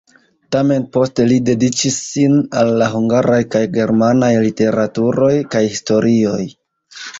Tamen poste li dediĉis sin al la hungaraj kaj germanaj literaturoj kaj historioj.